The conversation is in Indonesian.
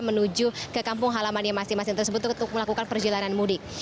menuju ke kampung halaman yang masing masing tersebut untuk melakukan perjalanan mudik